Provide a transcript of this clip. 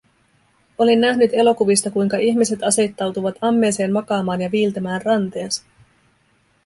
Olin nähnyt elokuvista, kuinka ihmiset asettautuvat ammeeseen makaamaan ja viiltämään ranteensa.